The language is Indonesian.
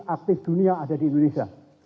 aktif dunia ada di indonesia